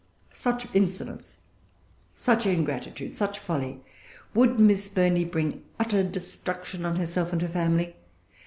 Such insolence! Such ingratitude! Such folly! Would Miss Burney bring utter destruction on herself and her family?